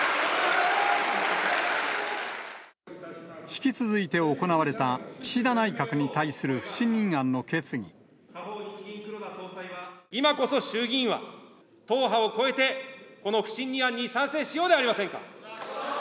引き続いて行われた、今こそ衆議院は、党派を超えてこの不信任案に賛成しようではありませんか。